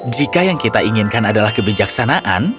jika yang kita inginkan adalah kebijaksanaan